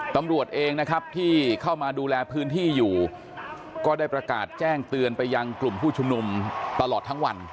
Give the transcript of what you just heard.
ตำรวจเองนะครับที่เข้ามาดูแลพื้นที่อยู่ก็ได้ประกาศแจ้งเตือนไปยังกลุ่มผู้ชุมนุมตลอดทั้งวัน